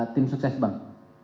tim sukses bang